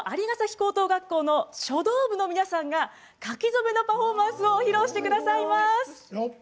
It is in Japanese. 高等学校の書道部の皆さんが書き初めのパフォーマンスを披露してくださいます。